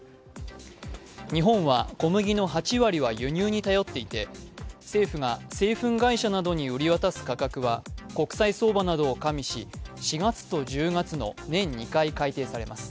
日本は小麦の８割は輸入に頼っていて政府が製粉会社などに売り渡す価格は国際相場などを加味し、４月と１０月の年２回改定されます。